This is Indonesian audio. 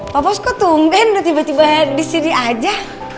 pak bos kok tumben tiba tiba disini aja